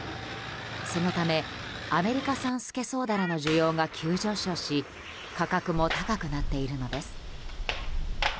そのためアメリカ産スケソウダラの需要が急上昇し価格も高くなっているのです。